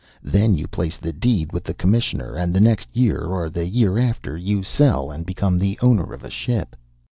Then you place the deed with the commissioner; and the next year, or the year after, you sell and become the owner of a ship."